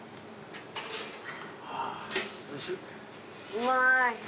うまい。